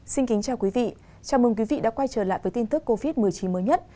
xin kính chào quý vị chào mừng quý vị đã quay trở lại với tin tức covid một mươi chín mới nhất